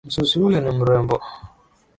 Msusi yule ni mrembo.